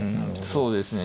そうですね。